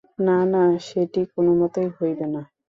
না না, সেটি কোনোমতেই হইবে না।